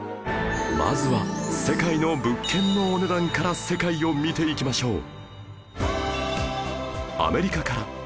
まずは世界の物件のお値段から世界を見ていきましょう